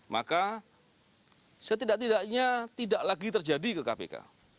maka setidak tidaknya tidak lagi terjadi ke kpk